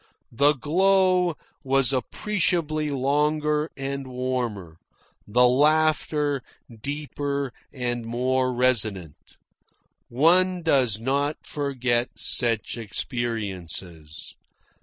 The glow was appreciably longer and warmer, the laughter deeper and more resonant. One does not forget such experiences.